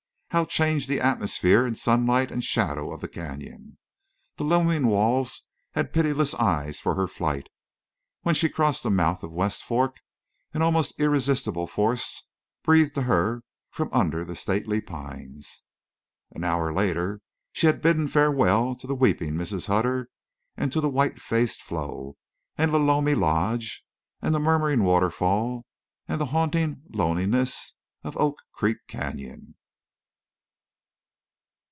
How changed the atmosphere and sunlight and shadow of the canyon! The looming walls had pitiless eyes for her flight. When she crossed the mouth of West Fork an almost irresistible force breathed to her from under the stately pines. An hour later she had bidden farewell to the weeping Mrs. Hutter, and to the white faced Flo, and Lolomi Lodge, and the murmuring waterfall, and the haunting loneliness of Oak Creek Canyon.